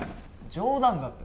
冗談だって。